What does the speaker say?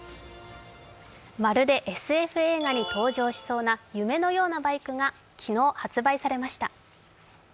まるでＳＦ映画に登場しそうな夢のようなバイクが昨日、発売されました。